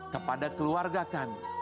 kepada keluarga kami